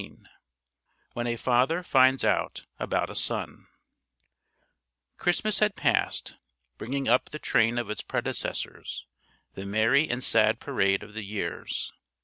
V WHEN A FATHER FINDS OUT ABOUT A SON CHRISTMAS had passed, bringing up the train of its predecessors the merry and sad parade of the years.